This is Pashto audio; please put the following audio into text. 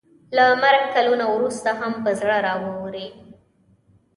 له مرګ کلونه وروسته هم په زړه راووري.